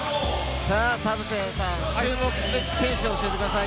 田臥さん、注目すべき選手を教えてください。